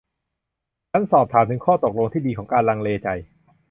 ฉันสอบถามถึงข้อตกลงที่ดีของการลังเลใจ